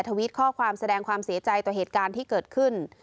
ทวิตข้อความแสดงความเสียใจต่อเหตุการณ์ที่เกิดขึ้น